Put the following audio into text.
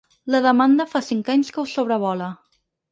La demanda fa cinc anys que us sobrevola.